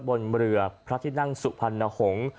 บนเรือพระที่นั่งสุพรรณหงษ์